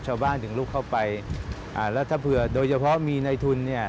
ชาวบ้านถึงลุกเข้าไปแล้วถ้าเผื่อโดยเฉพาะมีนายทุน